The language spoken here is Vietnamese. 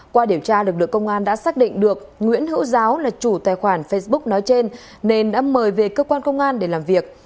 qua điều tra lực lượng công an đã xác định được nguyễn hữu giáo là chủ tài khoản facebook nói trên nên đã mời về cơ quan công an để làm việc